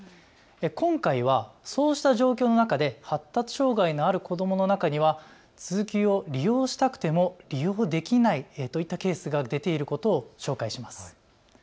今回はそうした状況の中で発達障害のある子どもの中には通級を利用したくても利用できないといったケースが出ていることを紹介します。